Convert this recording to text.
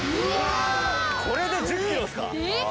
これで１０ｋｇですか